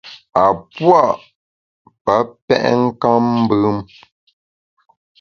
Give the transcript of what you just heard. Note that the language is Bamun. A pua’ pa pèt nkammbùm.